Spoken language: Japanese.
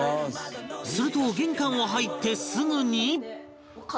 すると玄関を入ってすぐに